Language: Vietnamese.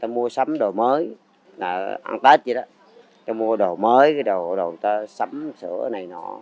mua đồ mới đồ người ta sắm sữa này nọ